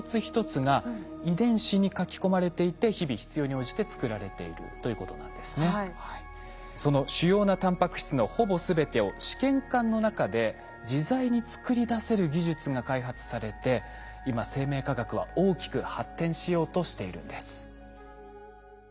こうした多様なその主要なタンパク質のほぼ全てを試験管の中で自在に作り出せる技術が開発されて今生命科学は大きく発展しようとしているんです。